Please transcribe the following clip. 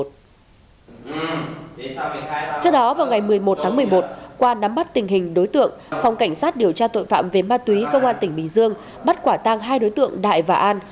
trước đó vào ngày một mươi một tháng một mươi một qua nắm bắt tình hình đối tượng phòng cảnh sát điều tra tội phạm về ma túy công an tỉnh bình dương bắt quả tang hai đối tượng đại và an